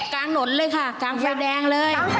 กลางถนนเลยค่ะทางไฟแดงเลย